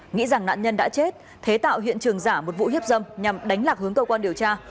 nghĩ rằng nạn nhân đã chết thế tạo hiện trường giả một vụ hiếp dâm nhằm đánh lạc hướng cơ quan điều tra